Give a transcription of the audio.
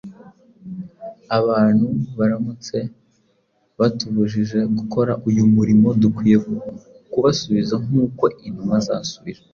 Abantu baramutse batubujije gukora uyu murimo, dukwiye kubasubiza nk’uko intumwa zasubije